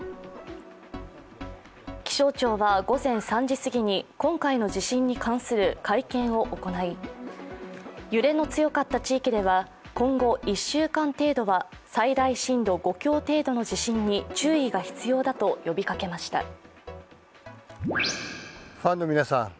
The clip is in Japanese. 気象庁は午前３時すぎに、今回の地震に関する会見を行い、揺れの強かった地域では今後１週間程度は最大震度５強程度の地震に注意が必要だと呼びかけました。